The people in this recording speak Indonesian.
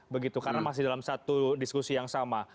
begitu karena masih dalam satu diskusi yang sama